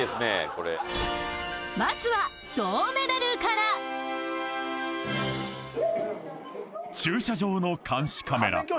これまずは銅メダルから駐車場の監視カメラ